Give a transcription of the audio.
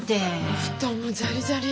お布団もジャリジャリ。